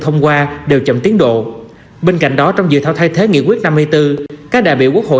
thông qua đều chậm tiến độ bên cạnh đó trong dự thảo thay thế nghị quyết năm mươi bốn các đại biểu quốc hội